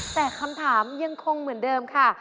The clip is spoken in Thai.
แต่คำถามยังคงเหมือนเดิมค่ะ